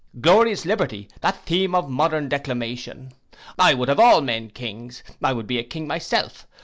Glorious liberty! that theme of modern declamation. I would have all men kings. I would be a king myself.